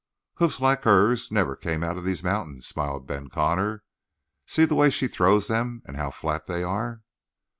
"Hoofs like hers never came out of these mountains," smiled Ben Connor. "See the way she throws them and how flat they are."